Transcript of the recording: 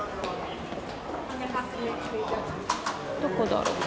どこだろう？